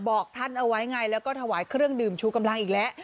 บอกท่านเอาไว้ไงแล้วก็ถวายเครื่องดื่มชูกำลังอีกแล้ว